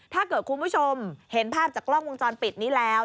ถ้าเกิดคุณผู้ชมเห็นภาพจากกล้องวงจรปิดนี้แล้ว